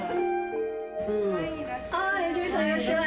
ああ江尻さんいらっしゃい！